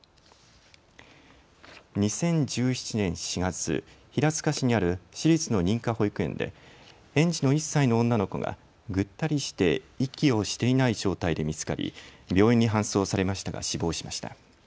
２０１７年４月平塚市にある私立の認可保育園で園児の１歳の女の子がぐったりして息をしていない状態で見つかり病院に搬送されましたが死亡しました。